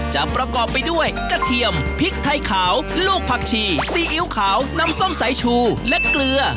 ประกอบไปด้วยกระเทียมพริกไทยขาวลูกผักชีซีอิ๊วขาวน้ำส้มสายชูและเกลือ